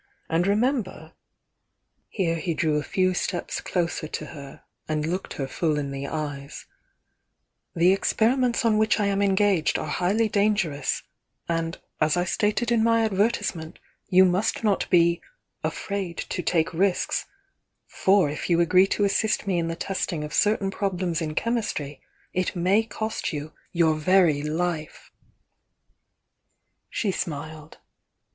And remember!" — here he drew a few steps closer to her and looked her full in the eyes — "the experiments on which I am engaged are highly dangerous, — and, as I stated in my advertisement, you must not be 'afraid to take risks,' — for if you agree to assist me in the test ing of certain problems in chemistry, it may cost you your very lifel" no THE YOUNG DIANA She smiled.